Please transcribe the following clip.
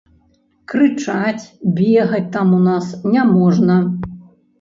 Крычаць, бегаць там у нас няможна.